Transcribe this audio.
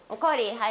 はい。